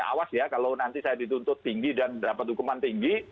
awas ya kalau nanti saya dituntut tinggi dan mendapat hukuman tinggi